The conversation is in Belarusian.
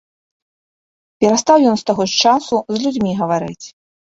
Перастаў ён з таго часу з людзьмі гаварыць.